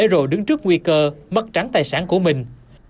nhưng trước nguy cơ mất trắng tài sản của mình